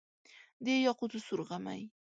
د یاقوتو سور غمی،